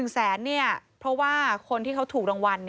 ๑แสนเพราะว่าคนที่เขาถูกรางวัล